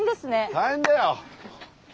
大変だよ。